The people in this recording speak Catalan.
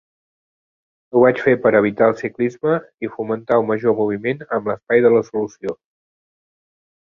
Ho vaig fer per evitar el ciclisme i fomentar un major moviment amb l'espai de la solució.